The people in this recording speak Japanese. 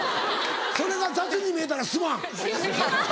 それが雑に見えたらすまん。